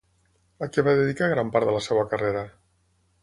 A què va dedicar gran part de la seva carrera?